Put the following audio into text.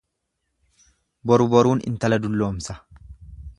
Boru boruun intala dulloomsa.